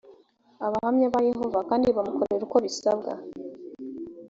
abahamya ba yehova kandi bamukorere uko bisabwa